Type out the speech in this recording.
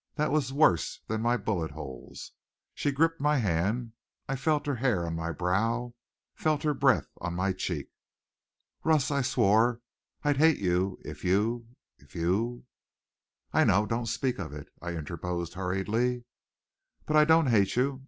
That was worse than my bullet holes." She gripped my hand. I felt her hair on my brow, felt her breath on my cheek. "Russ, I swore I'd hate you if you if you " "I know. Don't speak of it," I interposed hurriedly. "But I don't hate you.